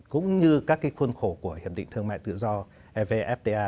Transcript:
cũng như các khuôn khổ của hiệp định thương mại tự do evfta